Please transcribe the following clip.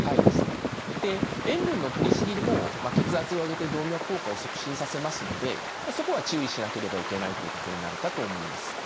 塩分のとりすぎも血圧を上げて動脈硬化を促進させますのでそこは注意しなければいけないということになるかと思います。